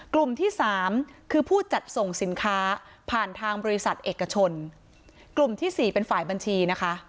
กลุ่มที่สามคือผู้จัดส่งสินค้าผ่านทางบริษัทเอกชนกลุ่มที่สี่เป็นฝ่ายบัญชีนะคะ